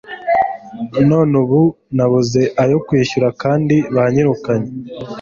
none ubu nabuze ayo kwishyura kdi banyirukanye